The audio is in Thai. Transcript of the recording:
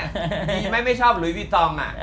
มีไหมไม่ชอบหลุยพี่ตอมอ่ะ